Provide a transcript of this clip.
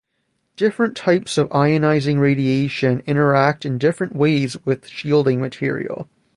Different types of ionizing radiation interact in different ways with shielding material.